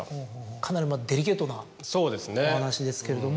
かなりまぁデリケートなお話ですけれども。